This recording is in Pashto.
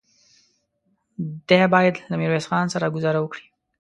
دی بايد له ميرويس خان سره ګذاره وکړي.